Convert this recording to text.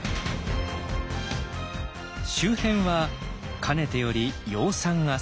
周辺はかねてより養蚕が盛ん。